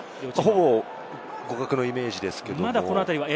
ほぼ互角のイメージですけれども。